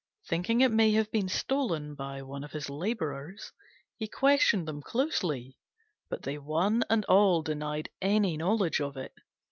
Thinking it may have been stolen by one of his labourers, he questioned them closely, but they one and all denied any knowledge of it.